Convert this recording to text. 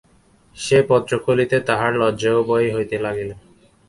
সে পত্র খুলিতে তাঁহার লজ্জা ও ভয় হইতে লাগিল।